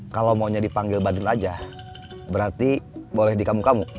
kalau maunya dipanggil badul aja berarti boleh di kamu kamu